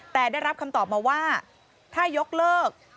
แต่ได้รับคำตอบมาว่าถ้ายกเลิก